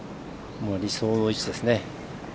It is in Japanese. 理想の位置ですね。